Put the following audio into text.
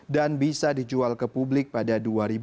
dan bisa dijual ke publik pada dua ribu dua puluh lima